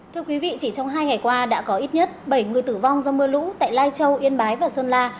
thưa quý vị chỉ trong hai ngày qua đã có ít nhất bảy người tử vong do mưa lũ tại lai châu yên bái và sơn la